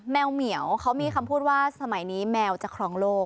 วเหมียวเขามีคำพูดว่าสมัยนี้แมวจะครองโลก